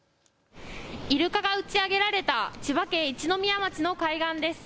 イルカが打ち上げられた千葉県一宮町の海岸です。